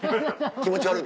気持ち悪い？